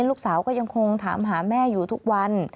ลูกสาวก็ยังคงถามหาแม่อยู่ทุกวัน